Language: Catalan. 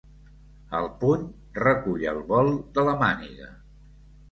El puny recull el vol de la màniga.